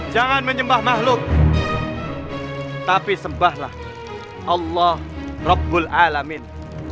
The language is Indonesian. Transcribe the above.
jangan menyembah makhluk tapi sembahlah allah rabbul alamin